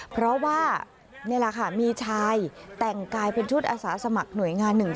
เพราะว่านี่แหละค่ะมีชายแต่งกายเป็นชุดอาสาสมัครหน่วยงานหนึ่ง